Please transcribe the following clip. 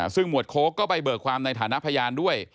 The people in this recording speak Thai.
ซึ่งหมวดโค้กก็ไปเบิกความในฐานะพยานด้วย